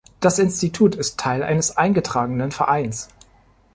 Das Institut ist Teil eines eingetragenen Vereins.